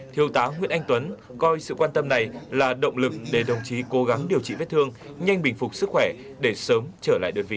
thiếu tá nguyễn anh tuấn coi sự quan tâm này là động lực để đồng chí cố gắng điều trị vết thương nhanh bình phục sức khỏe để sớm trở lại đơn vị